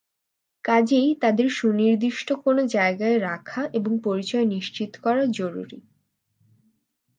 কাজেই তাদের সুনির্দিষ্ট কোনো জায়গায় রাখা এবং পরিচয় নিশ্চিত করা জরুরি।